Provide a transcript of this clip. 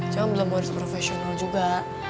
cuma belum harus profesional juga